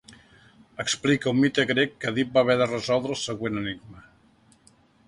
Explica un mite grec que Èdip va haver de resoldre el següent enigma.